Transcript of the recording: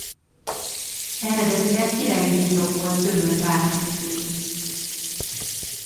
Eredetileg királyi birtok volt Gömör vármegye szélén.